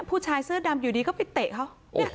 ผู้ชายเสื้อดำอยู่ดีก็ไปเตะเขา